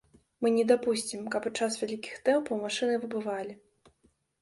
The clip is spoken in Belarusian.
Мы не дапусцім, каб у час вялікіх тэмпаў машыны выбывалі.